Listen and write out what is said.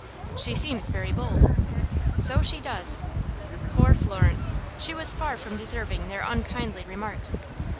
"She seems very bold." "So she does." Poor Florence! She was far from deserving their unkindly remarks.